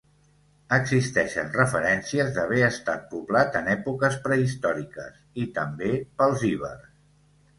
Existeixen referències d'haver estat poblat en èpoques prehistòriques i també pels ibers.